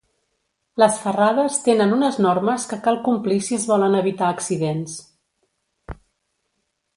Les ferrades tenen unes normes que cal complir si es volen evitar accidents.